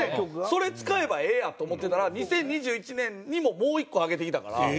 それ使えばええやと思ってたら２０２１年にももう１個あげてきたから。